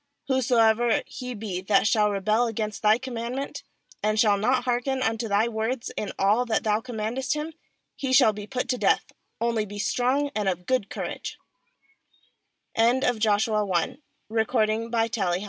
"Whosoever he be that shall rebel against thy com mandment, and shall not hearken unto thy words in all that thou com mandest hi™, he shall be put to death; only be strong and of good courag